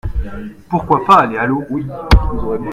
Pourquoi pas aller à l’eau ?